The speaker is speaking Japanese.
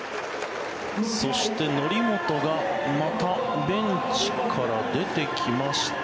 そして則本がまたベンチから出てきました。